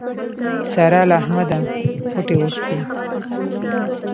سارا له احمده خوټې وکښې.